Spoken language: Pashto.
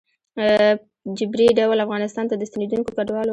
ه جبري ډول افغانستان ته د ستنېدونکو کډوالو